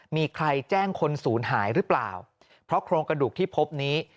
มีใครแจ้งคนศูนย์หายหรือเปล่าเพราะโครงกระดูกที่พบนี้